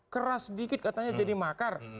keras sedikit katanya jadi makar